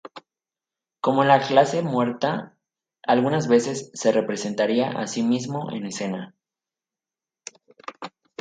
Como en La clase muerta, algunas veces se representaría a sí mismo en escena.